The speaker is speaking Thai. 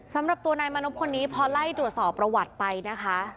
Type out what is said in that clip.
สำหรับตัวนายมานพคนนี้พอไล่ตรวจสอบประวัติไปนะคะ